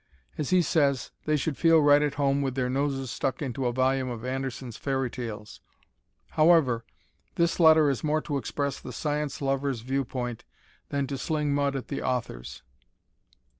As he says, they should feel right at home with their noses stuck into a volume of Anderson's Fairy Tales. However, this letter is more to express the science lovers' viewpoint than to sling mud at the authors.